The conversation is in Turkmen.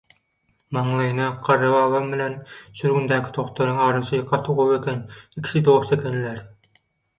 Maňlaýyna garry babam bilen sürgündäki dogtoruň arasy gaty gowy eken, ikisi dost ekenler.